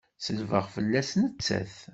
Selbeɣ fell-as nettat!